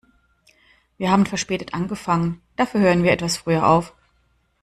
Wir haben verspätet angefangen, dafür hören wir etwas früher auf.